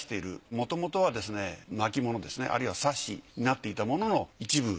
もともとはですね巻物ですねあるいは冊子になっていたものの一部。